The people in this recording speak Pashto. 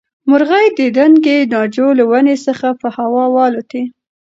مرغۍ د دنګې ناجو له ونې څخه په هوا والوتې.